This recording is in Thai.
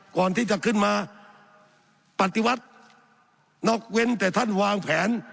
ก่อนที่จะขึ้นมาปฏิวัตินอกเว้นแต่ท่านวางแผน